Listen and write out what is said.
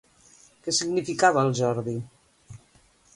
Què significava el Jordi?